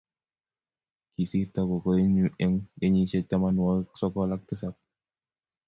kisirto gogoenyu eng' kenyisiek tamanwokik sokol ak tisap.